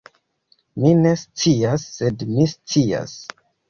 Mi ne scias sed mi scias